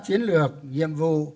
chiến lược nhiệm vụ